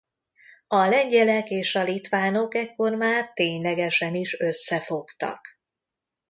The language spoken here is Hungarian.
A lengyelek és a litvánok ekkor már ténylegesen is összefogtak.